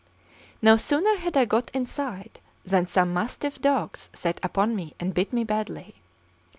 No sooner had I got inside than some mastiff dogs set upon me and bit me badly.